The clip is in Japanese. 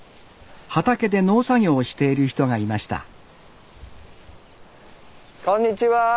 畑で農作業をしている人がいましたこんにちは！